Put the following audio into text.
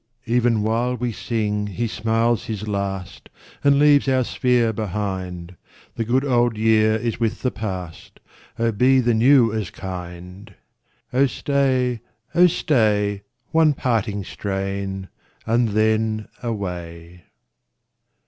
37 Even while we sing he smiles his last And leaves our sphere behind. The good old year is with the past ; Oh be the new as kind ! Oh staj, oh stay, One parting strain, and then away.